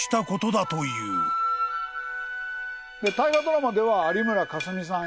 大河ドラマでは有村架純さん